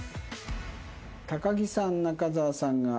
高木さん仲沢さんが。